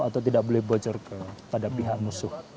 atau tidak boleh bocor kepada pihak musuh